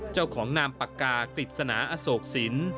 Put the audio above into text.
เจ้าของนามปากกากฤษณาอโศกศิลป์